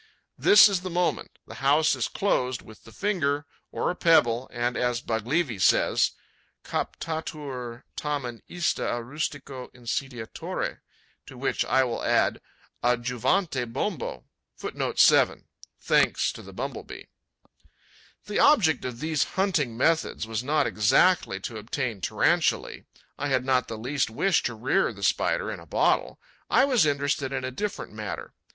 This is the moment: the house is closed with the finger, or a pebble and, as Baglivi says, 'captatur tamen ista a rustico insidiatore,' to which I will add, 'adjuvante Bombo.' The object of these hunting methods was not exactly to obtain Tarantulae; I had not the least wish to rear the Spider in a bottle. I was interested in a different matter.